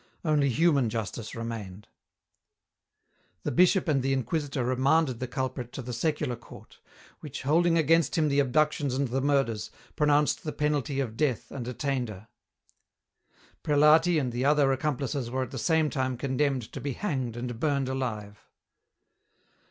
Only human justice remained. The Bishop and the Inquisitor remanded the culprit to the secular court, which, holding against him the abductions and the murders, pronounced the penalty of death and attainder. Prelati and the other accomplices were at the same time condemned to be hanged and burned alive.